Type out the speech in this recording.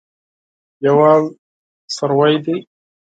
دېوال سوری دی.